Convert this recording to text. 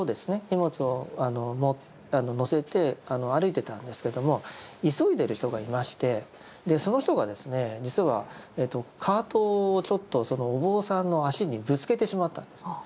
荷物を載せて歩いてたんですけども急いでる人がいましてその人がですね実はカートをちょっとお坊さんの足にぶつけてしまったんです。